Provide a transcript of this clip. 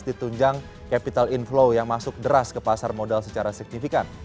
ditunjang capital inflow yang masuk deras ke pasar modal secara signifikan